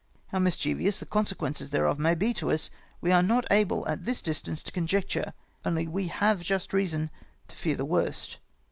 How mischievous the consequences thereof may be to us, we are not able at this distance to conjecture, only we have just reason to fear the worst.